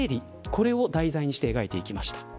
これを題材にして描いていきました。